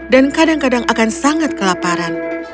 dan kadang kadang akan sangat kelaparan